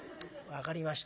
「分かりました。